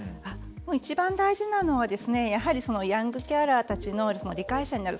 一番大事なのはやはり、ヤングケアラーたちの理解者になる。